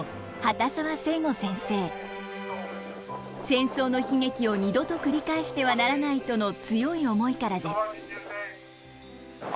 戦争の悲劇を二度と繰り返してはならないとの強い思いからです。